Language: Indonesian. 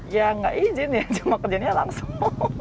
ya nggak izin ya cuma kerjanya langsung